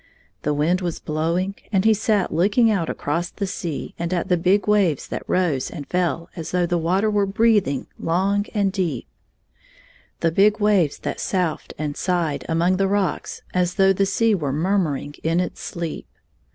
The wind was blowing, and he sat looking out across the sea and at the big waves that rose and fell as though the water were breathing long 33 and deep, — the big waves that soughed and sighed among the rocks as though the sea were murmuring in its sleep.